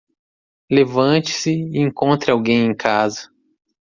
Levante-se e encontre alguém em casa